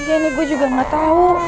eh iya nih gue juga gak tau